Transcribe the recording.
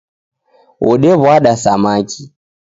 Wodewada samaki.